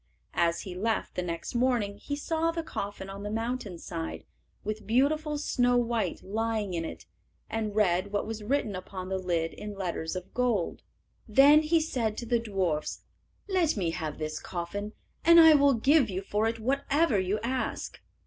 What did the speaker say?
As he left the next morning he saw the coffin on the mountain side, with beautiful Snow white lying in it, and read what was written upon the lid in letters of gold. Then he said to the dwarfs, "Let me have this coffin, and I will give you for it whatever you ask."